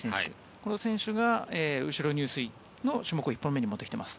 この選手が後ろ入水の種目を１本目に持ってきています。